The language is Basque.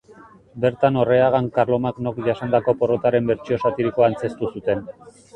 Bertan Orreagan Karlomagnok jasandako porrotaren bertsio satirikoa antzeztu zuten.